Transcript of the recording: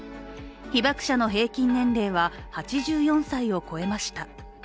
被爆者の平均年齢は８４歳を超えました。